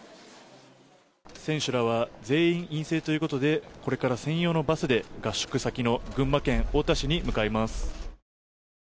選手らは全員陰性ということでこれから専用のバスで合宿先の群馬県太田市に向かいます。